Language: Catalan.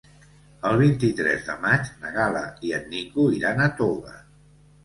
El vint-i-tres de maig na Gal·la i en Nico iran a Toga.